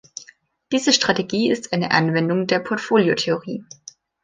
Diese Strategie ist eine Anwendung der Portfoliotheorie.